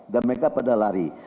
dan mereka pada lari